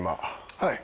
はい。